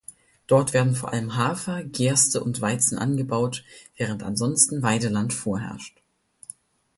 Dort werden vor allem Hafer, Gerste und Weizen angebaut, während ansonsten Weideland vorherrscht.